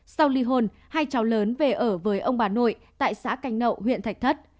sau ly hôn hai cháu lớn về ở với ông bà nội tại xã canh nậu huyện thạch thất